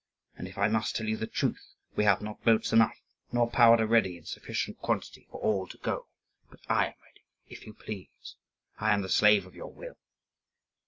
And if I must tell you the truth, we have not boats enough, nor powder ready in sufficient quantity, for all to go. But I am ready, if you please; I am the slave of your will."